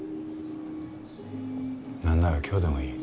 なんなら今日でもいい。